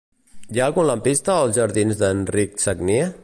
Hi ha algun lampista als jardins d'Enric Sagnier?